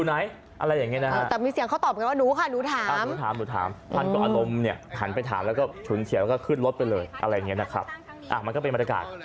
อะไรเงี้ยนะครับอ่างมันก็เป็นบรรดากาศ